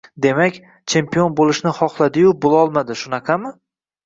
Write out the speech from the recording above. demak, champion bo‘lishni xoxladiyu bo‘lolmadi shunaqami?